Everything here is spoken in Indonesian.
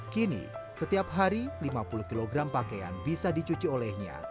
kini setiap hari lima puluh kg pakaian bisa dicuci olehnya